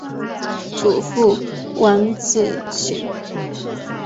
祖父汪志贤。